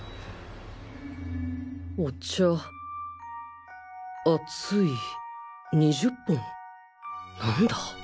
お茶熱い２０本何だ！？